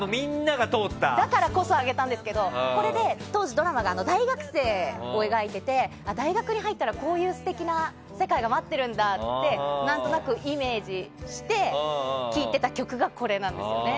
だからこそ挙げたんですけど当時ドラマが大学生を描いてて大学に入ったらこういう素敵な世界が待ってるんだって何となくイメージして聴いてた曲がこれなんですよね。